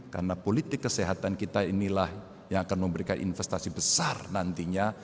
karena politik kesehatan kita inilah yang akan memberikan investasi besar nantinya